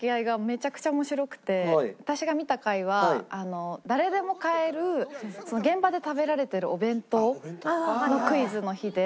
私が見た回は誰でも買える現場で食べられてるお弁当のクイズの日で。